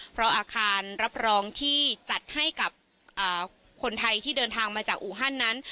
เพราะอาคารรับรองที่จัดให้กับคนไทยที่เดินทางมาจากอูฮันนั้น